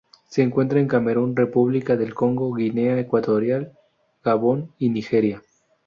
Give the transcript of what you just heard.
Se encuentra en Camerún, República del Congo, Guinea Ecuatorial, Gabón y Nigeria.